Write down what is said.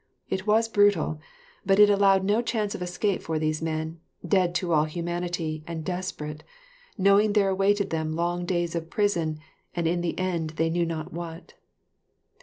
It was brutal, but it allowed no chance of escape for these men, dead to all humanity, and desperate, knowing there awaited them long days of prison, and in the end they knew not what.